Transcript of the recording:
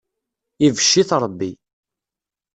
Ibecc-it Ṛebbi.